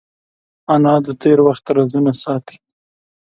انا د تېر وخت رازونه ساتي